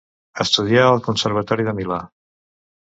Estudià al Conservatori de Milà.